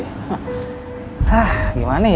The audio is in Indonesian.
hah gimana ya